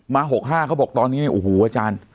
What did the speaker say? ๖๕เขาบอกตอนนี้เนี่ยโอ้โหอาจารย์